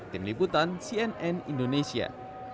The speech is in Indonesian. tim liputan cnn indonesia